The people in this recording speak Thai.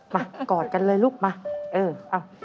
มากอดกันเลยลูกมาเออ